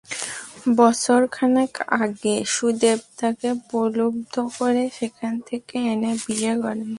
বছর খানেক আগে সুদেব তাঁকে প্রলুব্ধ করে সেখান থেকে এনে বিয়ে করেন।